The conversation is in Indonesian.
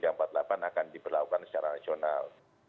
akan diperlakukan secara nasional